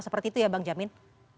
seperti itu ya bang jamin